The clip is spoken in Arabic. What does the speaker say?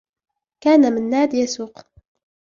كان منّاد يسوق.